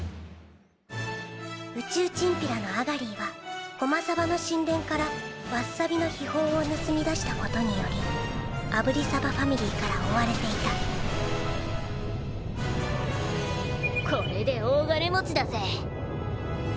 宇宙チンピラのアガリィはゴマサバの神殿からワッサビの秘宝をぬすみ出したことによりアブリサバファミリーから追われていたこれで大金持ちだぜ。